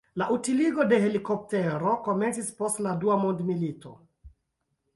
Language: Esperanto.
La utiligo de helikoptero komencis post la dua mondmilito.